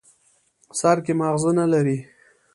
سر کې ماغزه نه لري.